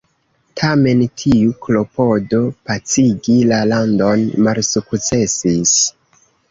Tamen tiu klopodo pacigi la landon malsukcesis.